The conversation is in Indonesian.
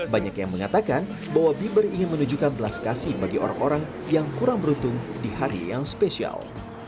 banyak yang mengatakan bahwa bibir ingin menunjukkan belas kasih bagi orang orang yang kurang beruntung di hari yang spesial